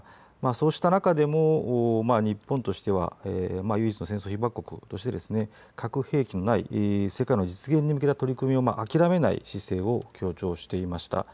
そうした中でも日本としては唯一の戦争被爆国としてですね、核兵器のない世界の実現に向けた取り組みを諦めない姿勢を強調していました。